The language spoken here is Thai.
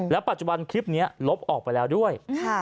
ปัจจุบันคลิปนี้ลบออกไปแล้วด้วย